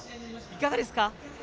いかがですか？